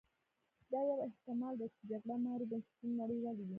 دا یو احتما ل دی چې جګړه مارو بنسټونه نړولي وي.